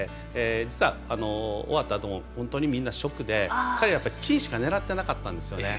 実は終わったあとも本当にみんなショックで本当に、金しか狙っていなかったんですね。